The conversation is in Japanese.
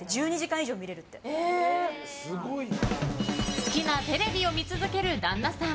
好きなテレビを見続ける旦那さん。